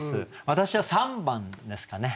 私は３番ですかね。